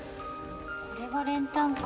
これが練炭かぁ。